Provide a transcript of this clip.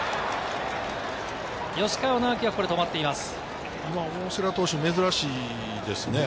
吉川尚輝はここで止まっています。